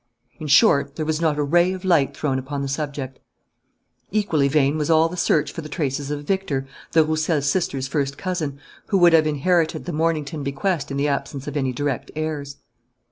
In short, there was not a ray of light thrown upon the subject. Equally vain was all search for the traces of Victor, the Roussel sister's first cousin, who would have inherited the Mornington bequest in the absence of any direct heirs.